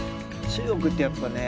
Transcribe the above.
中国ってやっぱね